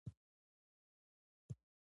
" تذکرة الاولیاء" د پښتو یو نثر دﺉ.